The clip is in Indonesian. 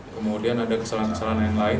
kemudian ada kesalahan kesalahan yang lain